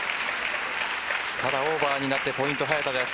ただオーバーになってポイント早田です。